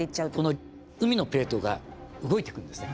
この海のプレートが動いていくんですね。